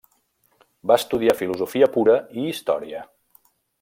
Va estudiar filosofia pura i història.